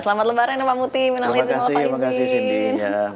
selamat lebaran pak mukti minal aizin walfa aizin